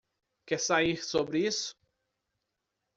Quer sair sobre isso?